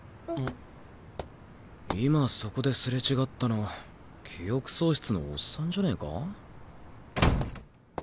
今そこですれ違ったの記憶喪失のおっさんじゃねえか。